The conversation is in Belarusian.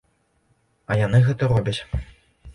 А яны гэта робяць.